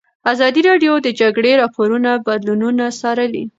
ازادي راډیو د د جګړې راپورونه بدلونونه څارلي.